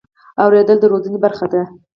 اورېدل د روزنې برخه ده.